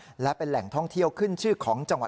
ตราตัวใหญ่แบบเมื่อกี้นะฮะ